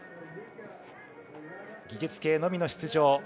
技術系のみの出場。